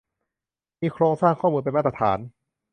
มีโครงสร้างข้อมูลเป็นมาตรฐาน